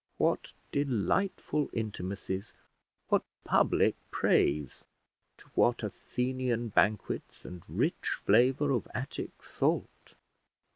what delightful intimacies, what public praise, to what Athenian banquets and rich flavour of Attic salt?